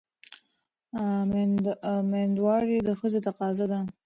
مېندواري د ښځې تقاضا ده.